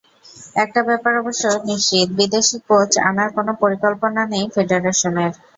একটা ব্যাপার অবশ্য নিশ্চিত, বিদেশি কোচ আনার কোনো পরিকল্পনা নেই ফেডারেশনের।